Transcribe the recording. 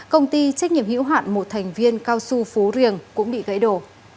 công ty trách nhiệm hữu hạn một thành viên cao su phú riềng cũng bị gãy đổ